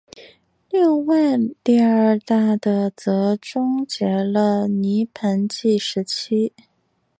另外第二大的则终结了泥盆纪时期。